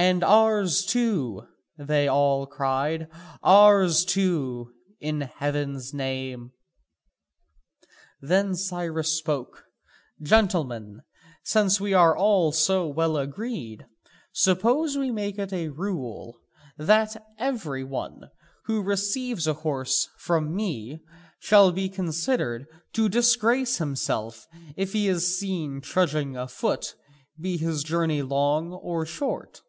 "And ours too," they all cried, "ours too, in heaven's name!" Then Cyrus spoke: "Gentlemen, since we are all so well agreed, suppose we make it a rule that every one who receives a horse from me shall be considered to disgrace himself if he is seen trudging afoot, be his journey long or short?"